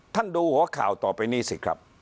ดูหัวข่าวต่อไปนี้สิครับ